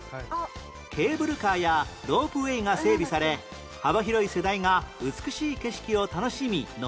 ケーブルカーやロープウェイが整備され幅広い世代が美しい景色を楽しみ登る